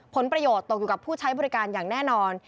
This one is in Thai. ผลประโยชน์ตกอยู่กับผู้ใช้บริการอย่างแน่นอน